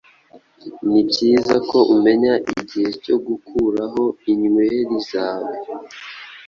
Ni byiza ko umenya igihe cyo gukuraho inyweri zawe